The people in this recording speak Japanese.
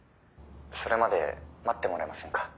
それまで待ってもらえませんか？